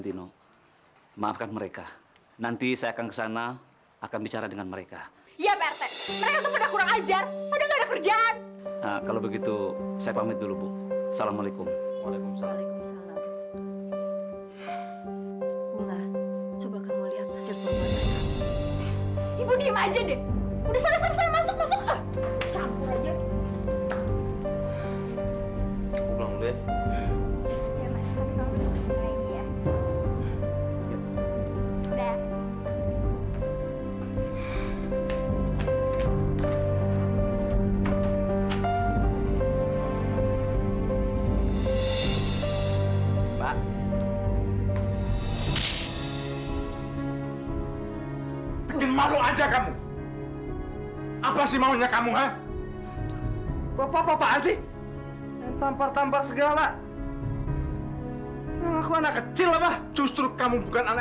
ibumu kami ajak ngaji soalnya ibumu sudah lama tidak muncul di pengajian